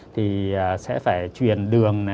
thì sẽ phải truyền đường